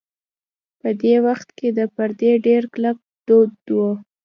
په دې وخت کې د پردې ډېر کلک دود و.